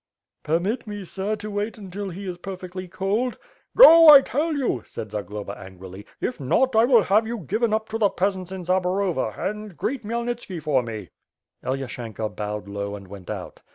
"Permit me, sir, to wait until he is perfectly cold." "Go, I tell you!" said Zagloba, angrily. "If not, I will have you given up to the peasants in Zaborova and greet Khmyelnitski for me." Elyashenka bowed low and went out.